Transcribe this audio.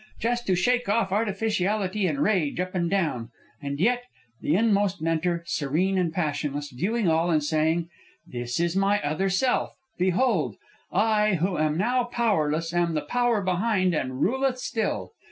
Just to shake off artificiality and rage up and down! and yet, the inmost mentor, serene and passionless, viewing all and saying: 'This is my other self. Behold! I, who am now powerless, am the power behind and ruleth still!